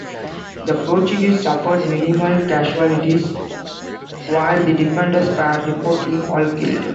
The Portuguese suffered minimal casualties, while the defenders were reportedly all killed.